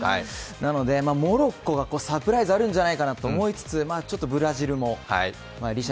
なので、モロッコがサプライズあるんじゃないかと思いつつちょっとブラジルも。